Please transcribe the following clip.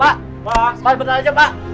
pak pak sebentar aja pak